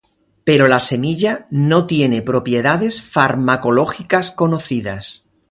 Pero la semilla no tiene propiedades farmacológicas conocidas.